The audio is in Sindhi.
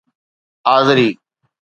آذري